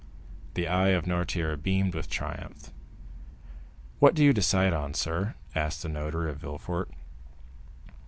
The eye of Noirtier beamed with triumph. "What do you decide on, sir?" asked the notary of Villefort.